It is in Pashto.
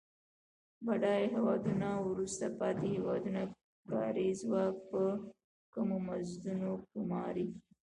بډایه هیوادونه د وروسته پاتې هېوادونو کاري ځواک په کمو مزدونو ګوماري.